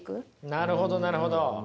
なるほどなるほど。